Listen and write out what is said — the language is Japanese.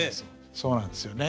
そうなんですよね。